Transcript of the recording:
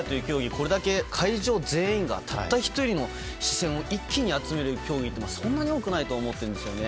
これだけ会場全員がたった１人に視線を一気に集める競技ってそんなに多くないと思ってるんですよね。